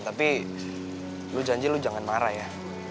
tapi lu janji lu jangan marah ya